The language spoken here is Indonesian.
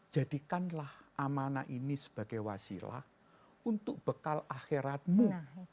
jadikanlah amanah ini sebagai wasilah untuk bekal akhiratmu